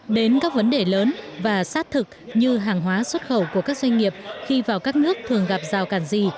đến các vấn đề lớn và sát thực như hàng hóa xuất khẩu của các doanh nghiệp khi vào các nước thường gặp rào cản gì